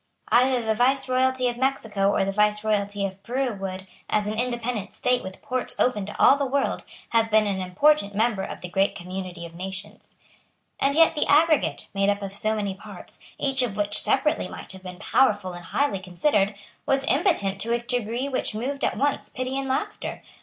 Either the viceroyalty of Mexico or the viceroyalty of Peru would, as an independent state with ports open to all the world, have been an important member of the great community of nations. And yet the aggregate, made up of so many parts, each of which separately might have been powerful and highly considered, was impotent to a degree which moved at once pity and laughter.